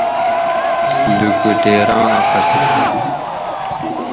لُکوٹیراں اۤ قصہ